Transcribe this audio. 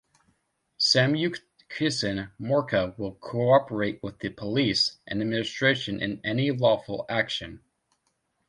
Samyukt Kisan Morcha will cooperate with the police and administration in any lawful action.